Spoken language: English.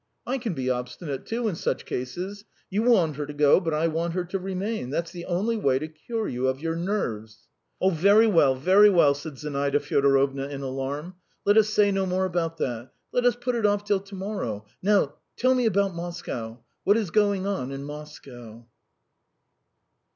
I can be obstinate, too, in such cases. You want her to go, but I want her to remain. That's the only way to cure you of your nerves." "Oh, very well, very well," said Zinaida Fyodorovna in alarm. "Let us say no more about that. ... Let us put it off till to morrow .... Now tell me about Moscow. ... What is going on in Moscow?"